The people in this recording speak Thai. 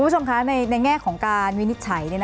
คุณผู้ชมคะในแง่ของการวินิจฉัย